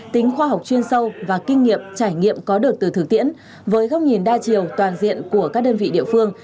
tính khoa học chuyên sâu và kinh nghiệm trải nghiệm có được từ thực tiễn với góc nhìn đa chiều toàn diện của các đơn vị địa phương